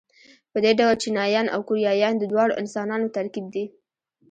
په دې ډول چینایان او کوریایان د دواړو انسانانو ترکیب دي.